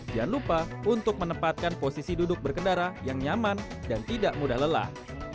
jangan lupa untuk menempatkan posisi duduk berkendara yang nyaman dan tidak mudah lelah